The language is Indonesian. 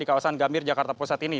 di kawasan gambir jakarta pusat ini